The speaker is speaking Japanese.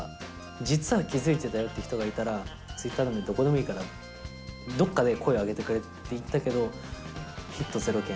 実は気付いてたよって人がいたら、ツイッターでもどこでもいいからどっかで声を上げてくれって言ったけど、ヒット０件。